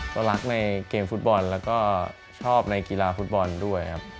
ก็รักในเกมฟุตบอลแล้วก็ชอบในกีฬาฟุตบอลด้วยครับ